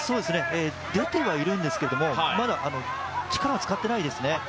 出てはいるんですけど、まだ力は使っていないですね。